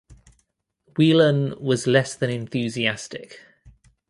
Whelen was less than enthusiastic.